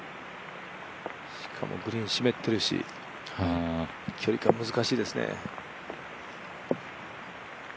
しかも、グリーン湿ってるし距離感難しいですね。